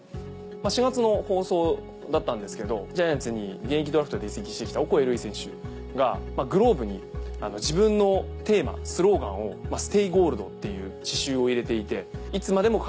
４月の放送だったんですけどジャイアンツに現役ドラフトで移籍してきたオコエ瑠偉選手がグローブに自分のテーマスローガンを「ＳＴＡＹＧＯＬＤ」っていう刺しゅうを入れていて「いつまでも輝き続けたいっていう思いでやってるんです」